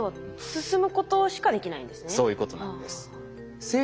進むことしかできないんですね。